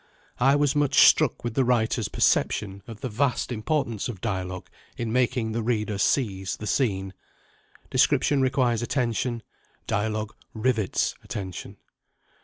I was much struck with the writer's perception of the vast importance of dialogue in making the reader seize the scene. Description requires attention: dialogue rivets attention.